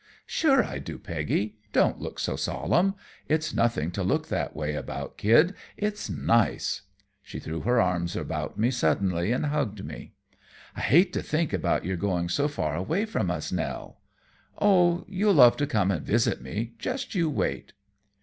"Sure I do, Peggy; don't look so solemn. It's nothing to look that way about, kid. It's nice." She threw her arms about me suddenly and hugged me. "I hate to think about your going so far away from us all, Nell." "Oh, you'll love to come and visit me. Just you wait."